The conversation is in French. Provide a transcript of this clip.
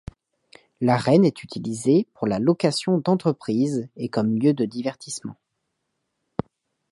L’arène est utilisée pour la location d’entreprise et comme lieu de divertissement.